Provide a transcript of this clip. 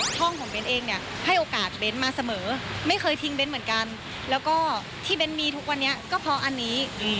ห้องของเบ้นเองเนี่ยให้โอกาสเบ้นมาเสมอไม่เคยทิ้งเบ้นเหมือนกันแล้วก็ที่เบ้นมีทุกวันนี้ก็เพราะอันนี้